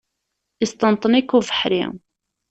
Yesṭenṭen-ik ubeḥri.